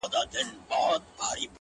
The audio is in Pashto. په هغه شپه له پاچا سره واده سوه!!